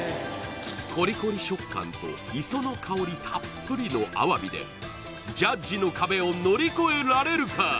コリコリ食感と磯の香りたっぷりのあわびでジャッジの壁を乗り越えられるか？